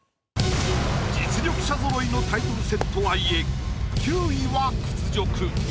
実力者ぞろいのタイトル戦とはいえ９位は屈辱。